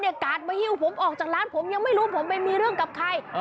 กาดมาหิ้วผมออกจากร้านผมยังไม่รู้ผมไปมีเรื่องกับใคร